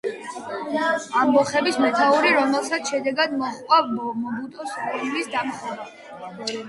ამბოხების მეთაური, რომელსაც შედეგად მოჰყვა მობუტუს რეჟიმის დამხობა.